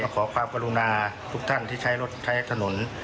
ขอความกรุณาทุกท่านที่ใช้รถใช้ถนน